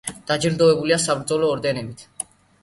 დაჯილდოებულია საბრძოლო ორდენებით.